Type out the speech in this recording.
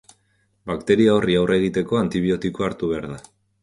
Bakteria horri aurre egiteko antibiotikoa hartu behar da.